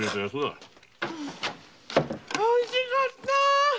おいしかった。